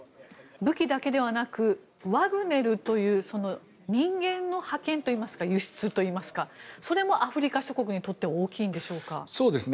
武器だけではなくワグネルという人間の派遣といいますか輸出といいますかそれもアフリカ諸国にとって大きいんでしょうか。